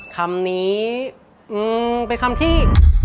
คำนี้เป็นคำที่